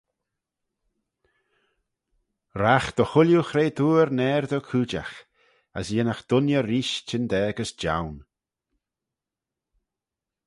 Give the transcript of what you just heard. Ragh dy chooilley chretoor naardey cooidjagh, as yinnagh dooinney reesht chyndaa gys joan.